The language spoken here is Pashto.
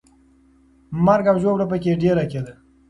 مرګ او ژوبله پکې ډېره کېده.